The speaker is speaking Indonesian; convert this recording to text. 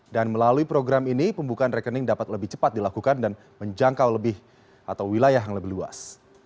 dan melalui program ini pembukaan rekening dapat lebih cepat dilakukan dan menjangkau lebih atau wilayah yang lebih luas